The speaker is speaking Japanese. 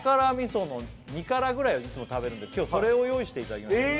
その２辛ぐらいをいつも食べるんで今日それを用意していただきました